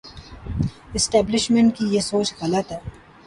Establishment کی یہ سوچ غلط ہے۔